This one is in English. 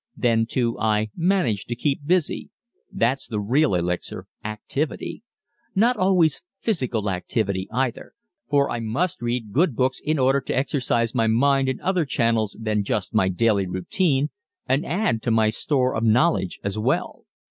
Then, too, I manage to keep busy. That's the real elixir activity! Not always physical activity, either, for I must read good books in order to exercise my mind in other channels than just my daily routine and add to my store of knowledge as well.